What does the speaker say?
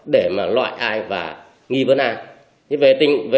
để mà loại ai và nghi vấn ai